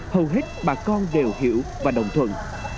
hầu hết bà con đều hiểu và đồng thuận